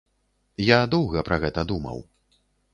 Я доўга пра гэта думаў.